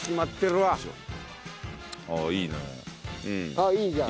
ああいいじゃん。